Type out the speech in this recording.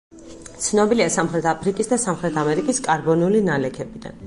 ცნობილია სამხრეთ აფრიკის და სამხრეთ ამერიკის კარბონული ნალექებიდან.